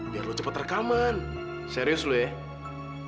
biar lo cepet rekaman serius lo ya